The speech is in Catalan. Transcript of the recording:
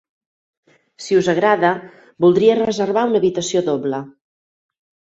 Si us agrada, voldria reservar una habitació doble.